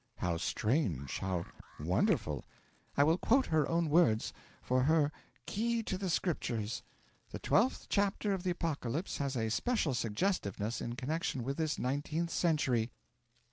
'How strange, how wonderful!' 'I will quote her own words, for her "Key to the Scriptures:" "The twelfth chapter of the Apocalypse has a special suggestiveness in connection with this nineteenth century."